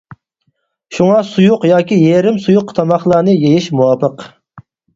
شۇڭا سۇيۇق ياكى يېرىم سۇيۇق تاماقلارنى يېيىش مۇۋاپىق.